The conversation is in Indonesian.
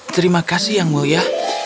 terima kasih yang mulia